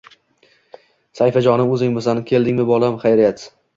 “Sayfijonim, o‘zingmisan? Keldingmi, bolam? Xayriyat